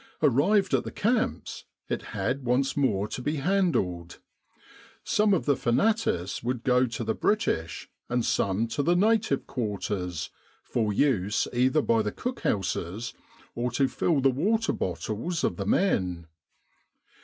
Arrived at the camps, it had once more to be handled. Some of the fanatis would go to the British and some to the native quarters, for use either by the cookhouses or to fill the water bottles of the men.